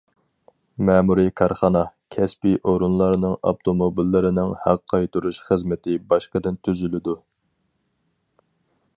مەمۇرىي، كارخانا، كەسپىي ئورۇنلارنىڭ ئاپتوموبىللىرىنىڭ ھەق قايتۇرۇش خىزمىتى باشقىدىن تۈزۈلىدۇ.